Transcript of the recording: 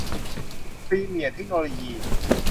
พรีเมียร์ เทคโนโลยี